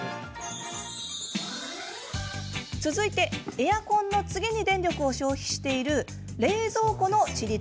続いてエアコンの次に電力を消費している冷蔵庫のちり